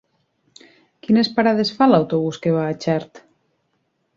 Quines parades fa l'autobús que va a Xert?